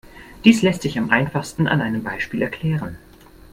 Dies lässt sich am einfachsten an einem Beispiel erklären.